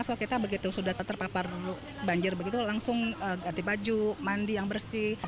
asal kita begitu sudah terpapar banjir begitu langsung ganti baju mandi yang bersih